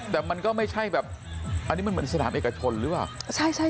แต่มันก็ไม่ใช่แบบอันนี้มันเหมือนสนามเอกชนหรือเปล่า